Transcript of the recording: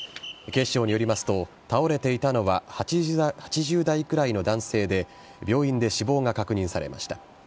警視庁によりますと倒れていたのは８０代ぐらいの男性で病院で死亡が確認されました。